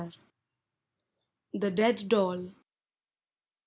TOE DEAD DOLL.